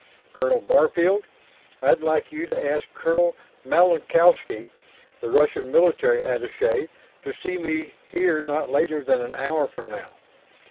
Colonel Barfield, I'd like you to ask Colonel Malinowski, the Russian military attaché to see me here not later than an hour from now.